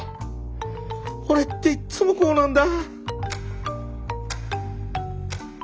おれっていっつもこうなんだ！